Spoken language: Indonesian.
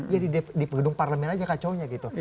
ya di gedung parlemen aja kacau nya gitu